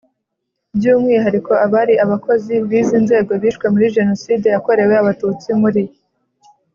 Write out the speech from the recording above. by umwihariko abari abakozi b izi nzego bishwe muri Jenoside yakorewe Abatutsi muri